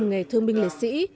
ngày thương binh liệt sĩ